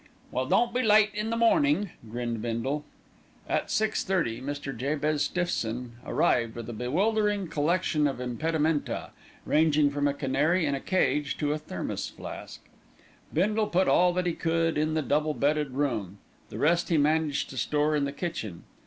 "Well, don't be late in the morning," grinned Bindle. At six thirty, Mr. Jabez Stiffson arrived with a bewildering collection of impedimenta, ranging from a canary in a cage to a thermos flask. Bindle put all he could in the double bedded room, the rest he managed to store in the kitchen.